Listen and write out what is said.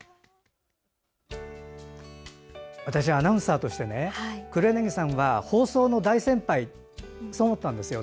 私、アナウンサーとして黒柳さんは放送の大先輩だと思ったんですよ。